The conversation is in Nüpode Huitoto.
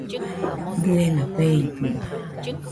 Dɨena feidɨo